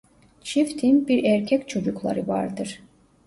Çiftin bir erkek çocukları vardır.